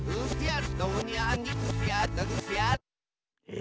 え